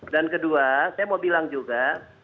dan kedua saya mau bilang juga